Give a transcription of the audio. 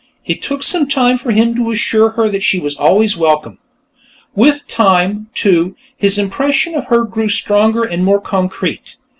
It took some time for him to assure her that she was always welcome. With time, too, his impression of her grew stronger and more concrete.